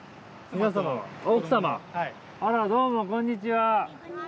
あらどうもこんにちは。